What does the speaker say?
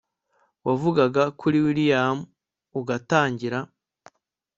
wavugaga kuri william ugatangira